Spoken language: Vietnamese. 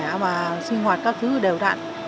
đã mà sinh hoạt các thứ đều đạn